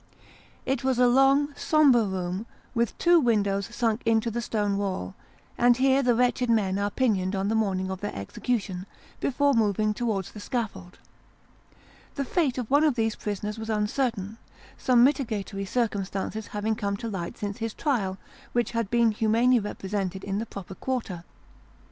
It is a long, sombre room, with two windows sunk into the stone wall, and here the wretched men are pinioned on the morning of their execution, before moving towards the scaffold. The fate of one of these prisoners was uncertain ; some mitigatory circumstances having come to light since his trial, which had been humanely repre sented in the proper quarter.